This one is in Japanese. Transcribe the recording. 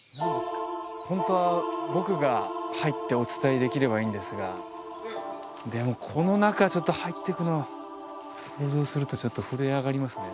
ホントは僕が入ってお伝えできればいいんですがでもこの中ちょっと入っていくの想像するとちょっと震え上がりますね